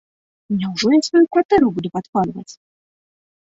Няўжо я сваю кватэру буду падпальваць.